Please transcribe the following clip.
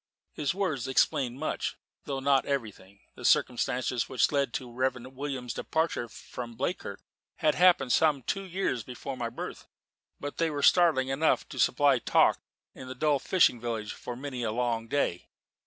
His words explained much, though not everything. The circumstances which led to the Reverend William's departure from Bleakirk had happened some two years before my birth: but they were startling enough to supply talk in that dull fishing village for many a long day.